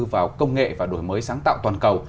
vào công nghệ và đổi mới sáng tạo toàn cầu